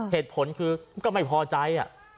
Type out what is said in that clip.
เหตุผลคือก็ไม่พอใจ